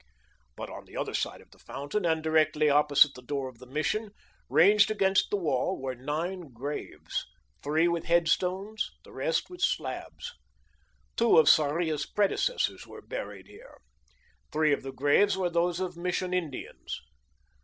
But on the other side of the fountain, and directly opposite the door of the Mission, ranged against the wall, were nine graves three with headstones, the rest with slabs. Two of Sarria's predecessors were buried here; three of the graves were those of Mission Indians.